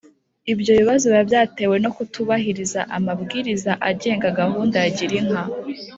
Ibyo bibazo biba byatewe no kutubahiriza amabwiriza agenga Gahunda ya Girinka